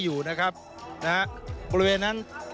อยู่นะครับนะฮะบริเวณนั้น